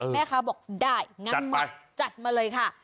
แม่ค้าบอกได้งั้นมาจัดมาเลยค่ะ